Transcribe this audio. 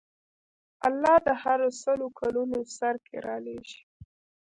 الله د هرو سلو کلونو سر کې رالېږي.